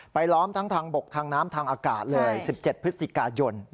ไปล้อมทั้งทางบกทางน้ำทางอากาศเลย๑๗พย